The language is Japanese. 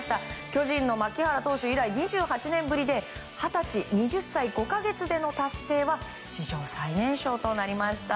巨人の槙原投手以来２８年ぶりで二十歳、２０歳５か月での達成は史上最年少となりました。